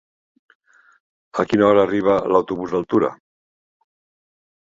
A quina hora arriba l'autobús d'Altura?